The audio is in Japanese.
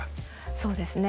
そうですね。